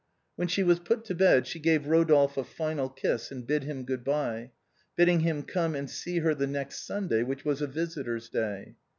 When she was put to bed she gave Kodolphe a final kiss and bid him good bye, bidding him come and see her the next Sunday which was a visitors' day.